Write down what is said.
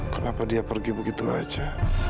kenapa dia pergi begitu saja